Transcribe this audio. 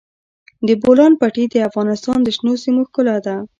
د بولان پټي د افغانستان د شنو سیمو ښکلا ده.